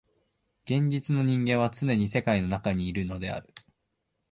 現実の人間はつねに世界の中にいるのである。